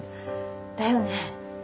だよね。